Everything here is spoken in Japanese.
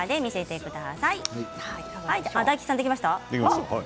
大吉さん、できました？